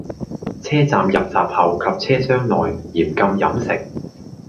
車站入閘後及車廂內，嚴禁飲食